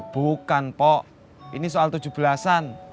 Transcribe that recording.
bukan pok ini soal tujuh belasan